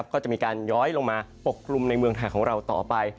ก็จะมีการย้อยลงมาปกกลุ่มในเมืองไทยของเราต่อไป